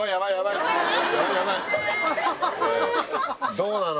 どうなの？